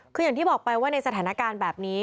คืออย่างที่บอกไปว่าในสถานการณ์แบบนี้